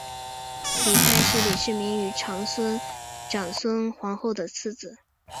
李泰是李世民与长孙皇后的次子。